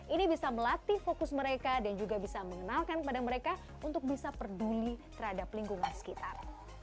ini bisa melatih fokus mereka dan juga bisa mengenalkan kepada mereka untuk bisa peduli terhadap lingkungan sekitar